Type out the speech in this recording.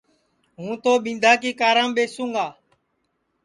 ہوں تو ٻِندھا کی کارام ٻیسوں گا